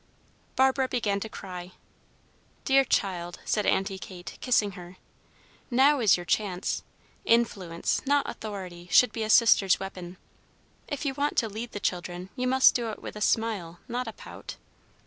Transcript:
Barbara began to cry. "Dear child," said Aunty Kate, kissing her, "now is your chance. Influence, not authority, should be a sister's weapon. If you want to lead the children, you must do it with a smile, not a pout."